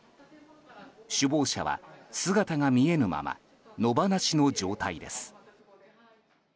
首謀者は姿が見えぬまま野放しの状態です。